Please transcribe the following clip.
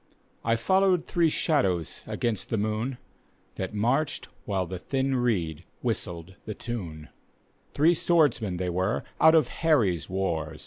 I followed three shadows against the mocKi, That marched while the thin reed whistled the tune, Three swordsmen they were out of Harry's wars.